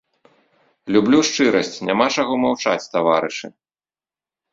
Люблю шчырасць, няма чаго маўчаць, таварышы!